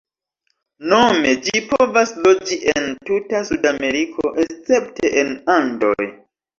Nome ĝi povas loĝi en tuta Sudameriko, escepte en Andoj.